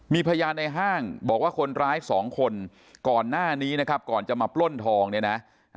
มีพยานในห้างบอกว่าคนร้ายสองคนก่อนหน้านี้นะครับก่อนจะมาปล้นทองเนี่ยนะ